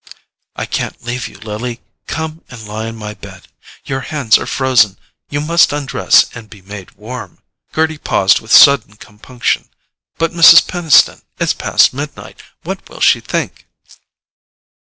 "I can't leave you, Lily. Come and lie on my bed. Your hands are frozen—you must undress and be made warm." Gerty paused with sudden compunction. "But Mrs. Peniston—it's past midnight! What will she think?"